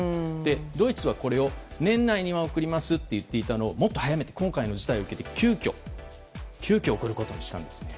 ドイツはこれを年内には送りますと言っていたのをもっと早めて今回の事態を受けて急きょ送ることにしたんですね。